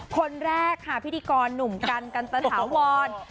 คนแรกค่ะพิธีกรหนุ่มกันกันตะถาวร